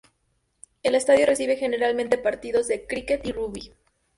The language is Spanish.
El estadio recibe generalmente partidos de críquet y rugby.